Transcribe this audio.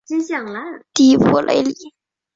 蒂珀雷里。